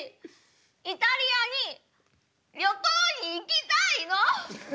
イタリアに旅行に行きたいの！